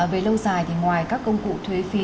về lâu dài thì ngoài các công cụ thuế phí